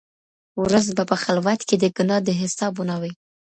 ورځ به په خلوت کي د ګناه د حسابو نه وي